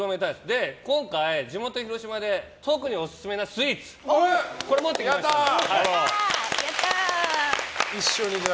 今回、地元・広島で特にオススメのスイーツを持ってきましたので。